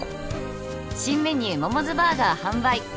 「新メニューモモズバーガー販売！」